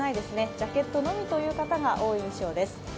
ジャケットのみという方が多い印象です。